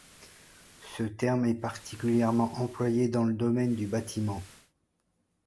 Ce terme est particulièrement employé dans le domaine du bâtiment.